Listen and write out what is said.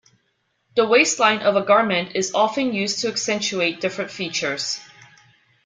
The waistline of a garment is often used to accentuate different features.